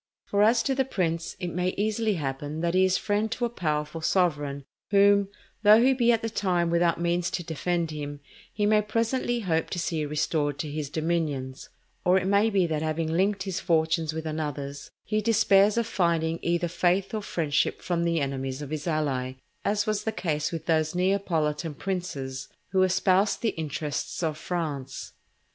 For, as to the prince, it may easily happen that he is friend to a powerful sovereign, whom, though he be at the time without means to defend him, he may presently hope to see restored to his dominions; or it may be that having linked his fortunes with another's, he despairs of finding either faith or friendship from the enemies of his ally, as was the case with those Neapolitan princes who espoused the interests of France.